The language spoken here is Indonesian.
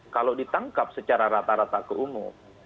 kalau ditangkap secara rata rata keumum